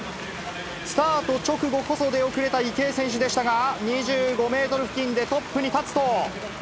スタート直後こそ、出遅れた池江選手でしたが、２５メートル付近でトップに立つと。